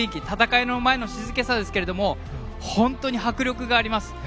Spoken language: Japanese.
戦いの前の静けさですが本当に迫力があります。